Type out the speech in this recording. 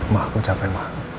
ma aku capek ma